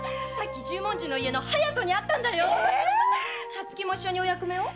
⁉皐月も一緒にお役目を？